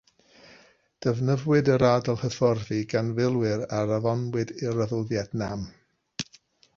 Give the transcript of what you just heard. Defnyddiwyd yr ardal hyfforddi gan filwyr a anfonwyd i Ryfel Fietnam.